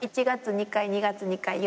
１月２回２月２回。